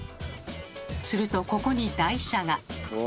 するとここに台車が。